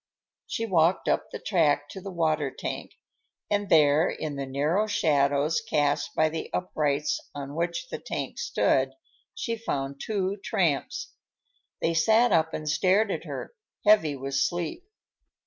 She walked up the track to the water tank, and there, in the narrow shadows cast by the uprights on which the tank stood, she found two tramps. They sat up and stared at her, heavy with sleep.